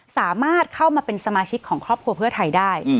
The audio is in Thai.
สามารถเข้ามาเป็นสมาชิกของครอบครัวเพื่อไทยได้